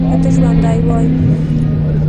که ته ژوندی وای.